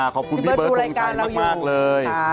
ขอบคุณพี่เบิร์ตทองไทยมากเลย